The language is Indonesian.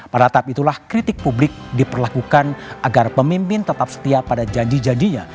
pada tahap itulah kritik publik diperlakukan agar pemimpin tetap setia pada janji janjinya